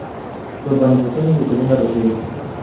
Urbanizaciones de segunda residencia.